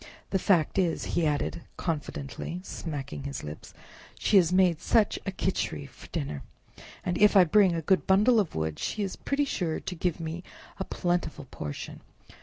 "The fact is," he added confidentially, smacking his lips, "she has made such a Khichri for dinner! and if I bring in a good bundle of wood she is pretty sure to give me a plentiful portion.